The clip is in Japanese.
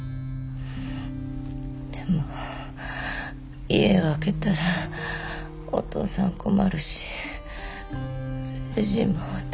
でも家を空けたらお父さん困るし誠治も大変だし。